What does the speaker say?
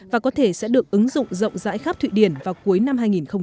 và có thể sẽ được ứng dụng rộng rãi khắp thụy điển vào cuối năm hai nghìn hai mươi